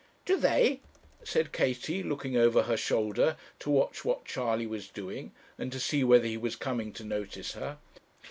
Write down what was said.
'Do they?' said Katie, looking over her shoulder to watch what Charley was doing, and to see whether he was coming to notice her.